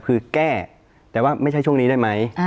คือแก้แต่ว่าไม่ใช่ช่วงนี้ได้ไหม